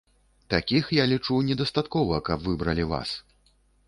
Такіх, я лічу, недастаткова, каб выбралі вас.